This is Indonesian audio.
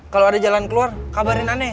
kalau ada jalan keluar kabarin aneh